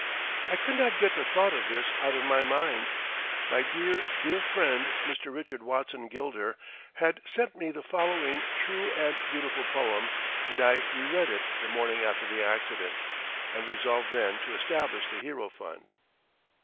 I could not get the thought of this out of my mind. My dear, dear friend, Mr. Richard Watson Gilder, had sent me the following true and beautiful poem, and I re read it the morning after the accident, and resolved then to establish the Hero Fund.